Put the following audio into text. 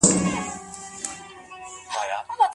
سياستپوه اوس د نظريو پر بنسټ تحليل کوي.